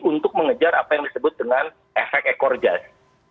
untuk mengejar apa yang disebut dengan efek ekor jas